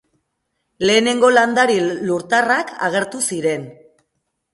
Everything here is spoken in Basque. Lehenengo landare lurtarrak agertu ziren.